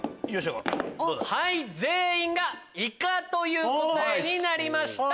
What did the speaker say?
全員がイカという答えになりました。